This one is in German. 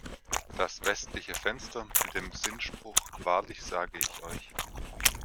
Das westliche Fenster mit dem Sinnspruch „Wahrlich sage ich euch.